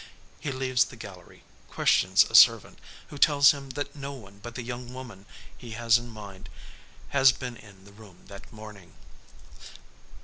He leaves the gallery, questions a servant, who tells him that no one but the young woman he has in mind has been in the room that morning."